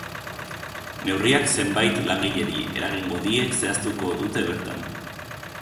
Neurriak zenbat langileri eragingo die zehaztuko dute bertan.